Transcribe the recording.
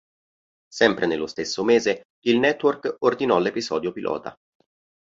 Sempre nello stesso mese il network ordinò l'episodio pilota.